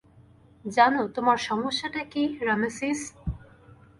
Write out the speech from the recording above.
জানো তোমার সমস্যাটা কী, রামেসিস?